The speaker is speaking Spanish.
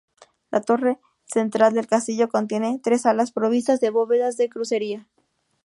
La torre central del castillo contiene tres salas provistas de bóvedas de crucería.